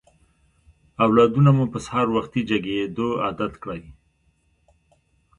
اولادونه مو په سهار وختي جګېدو عادت کړئ.